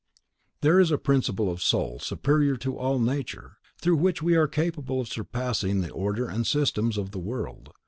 There is a principle of the soul, superior to all nature, through which we are capable of surpassing the order and systems of the world.